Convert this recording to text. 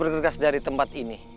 oin ke drp tiga